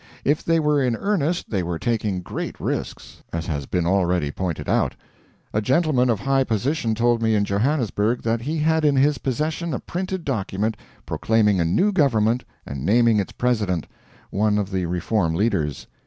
If they were in earnest, they were taking great risks as has been already pointed out. A gentleman of high position told me in Johannesburg that he had in his possession a printed document proclaiming a new government and naming its president one of the Reform leaders.